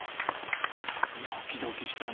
ドキドキしたね。